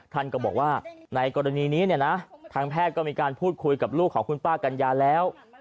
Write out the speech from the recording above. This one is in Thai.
ท่านก็บอกว่าในกรณีนี้เนี่ยนะทางแพทย์ก็มีการพูดคุยกับลูกของคุณป้ากัญญาแล้ว